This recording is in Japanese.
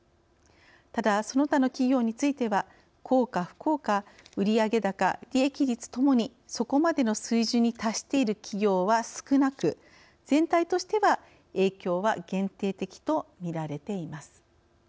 ただ、その他の企業については幸か不幸か売上高・利益率ともにそこまでの水準に達している企業は少なく全体としては、影響は限定的とみられています。